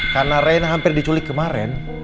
karena reina hampir diculik kemarin